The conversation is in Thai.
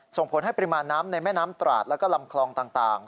ส่งผลให้ปริมาณน้ำในแม่น้ำตราดแล้วก็ลำคลองต่าง